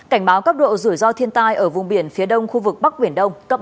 cảnh báo cấp độ rủi ro thiên tai ở vùng biển phía đông khu vực bắc biển đông cấp ba